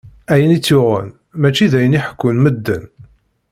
Ayen i tt-yuɣen, mačči d ayen i ḥekkun medden.